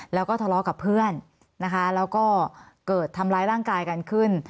แล้วก็ทะเลาะกับเพื่อนนะคะแล้วก็เกิดทำร้ายร่างกายกันขึ้น